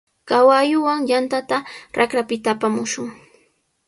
Kawalluwan yantata raqrapita apamushun.